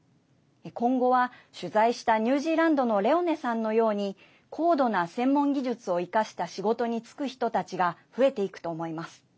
今後は、取材したニュージーランドのレオネさんのように高度な専門技術を生かした仕事に就く人たちが増えていくと思います。